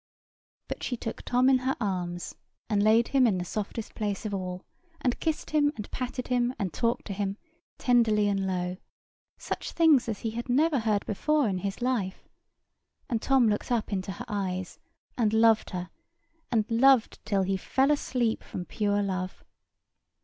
But she took Tom in her arms, and laid him in the softest place of all, and kissed him, and patted him, and talked to him, tenderly and low, such things as he had never heard before in his life; and Tom looked up into her eyes, and loved her, and loved, till he fell fast asleep from pure love.